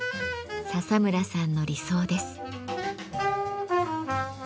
笹村さんの理想です。